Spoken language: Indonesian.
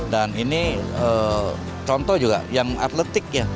dan ini contoh juga yang atletik ya